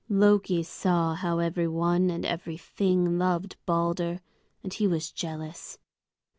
Loki saw how every one and every thing loved Balder, and he was jealous.